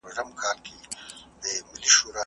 دا اتڼ دی .